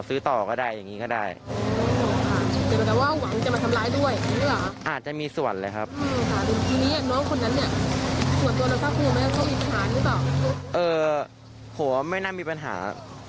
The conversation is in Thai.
เออผมว่าไม่น่ามีปัญหา